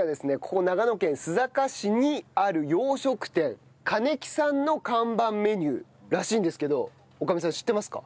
ここ長野県須坂市にある洋食店かねきさんの看板メニューらしいんですけど女将さん知ってますか？